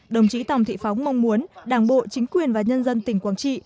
đồng chí tòng thị phóng mong muốn đảng bộ chính quyền và nhân dân tỉnh quảng trị